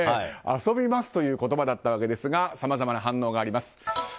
遊びますという言葉だったわけですがさまざまな反応があります。